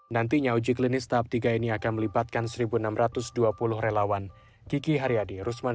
nantinya uji klinis tahap tiga ini akan melibatkan satu enam ratus dua puluh relawan